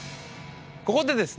ここでですね